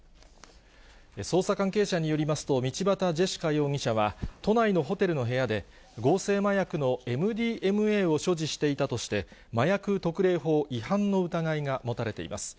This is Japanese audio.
捜査関係者によりますと、道端ジェシカ容疑者は、都内のホテルの部屋で、合成麻薬のＭＤＭＡを所持していたとして、麻薬特例法違反の疑いが持たれています。